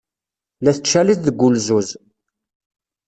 La tettcaliḍ deg wulzuz.